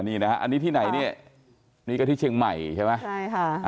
นี่นะอะที่ไหนเนี่ยนี่ก็ที่เฉียงใหม่ใช่มะ